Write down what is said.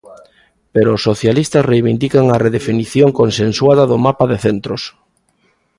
Pero os socialistas reivindican a redefinición consensuada do mapa de centros.